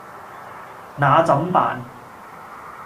那怎辦